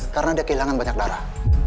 karena dia kehilangan banyak darah